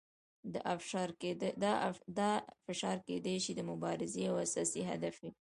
دا فشار کیدای شي د مبارزې یو اساسي هدف وي.